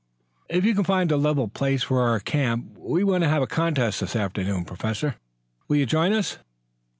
"If you can find a level place for our camp we want to have a contest this afternoon. Professor, will you join us?"